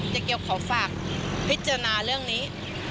เจ๊เกียวขอฝากพิจารณาเรื่องนี้